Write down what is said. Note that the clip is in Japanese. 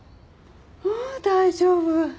もう大丈夫。